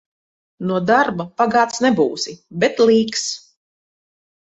No darba bagāts nebūsi, bet līks.